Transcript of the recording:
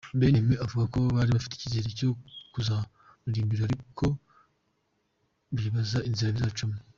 Bien-Aimé avuga ko bari bafite icyizere cyo kuzamuririmbira ariko ngo bibazaga inzira bizacamo.